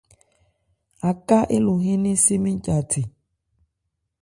Aká élo hɛ́n nnɛn sé mɛ́n ca the.